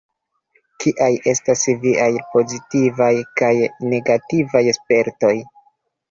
Kiaj estas viaj pozitivaj kaj negativaj spertoj?